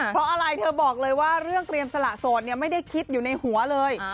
เพราะอะไรเธอบอกเลยว่าเรื่องเตรียมสละโสดไม่ได้คิดอยู่ในหัวเลย